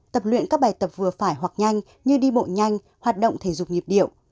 tập luyện các bài tập vừa phải hoặc nhanh như đi bộ nhanh hoạt động thể dục nhịp điệu